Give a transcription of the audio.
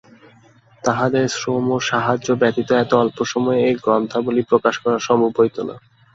তাঁহাদের শ্রম ও সাহায্য ব্যতীত এত অল্পসময়ে এই গ্রন্থাবলী প্রকাশ করা সম্ভব হইত না।